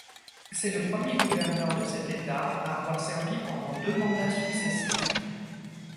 C'est le premier gouverneur de cet état à avoir servi pendant deux mandats successifs.